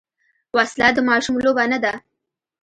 وسله د ماشوم لوبه نه ده